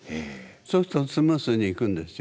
そうするとスムースにいくんですよね。